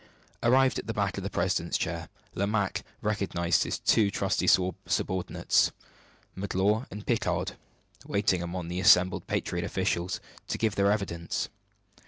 Arrived at the back of the president's chair, Lomaque recognized his two trusty subordinates, Magloire and Picard, waiting among the assembled patriot officials, to give their evidence.